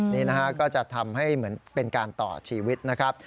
นี่นะฮะก็จะทำให้เหมือนเป็นการต่อชีวิตนะครับ